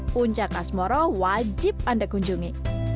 puncak asmoro wajib anda kunjungi